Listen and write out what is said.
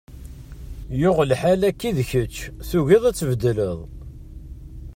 Yuɣ lḥal akka i d kečč, tugiḍ ad tbeddleḍ.